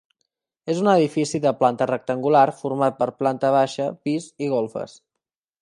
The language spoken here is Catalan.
És un edifici de planta rectangular, format per planta baixa, pis i golfes.